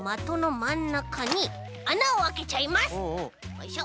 よいしょ。